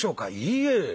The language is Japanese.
「いいえ。